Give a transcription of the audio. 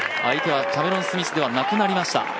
相手はキャメロン・スミスではなくなりました。